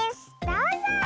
どうぞ！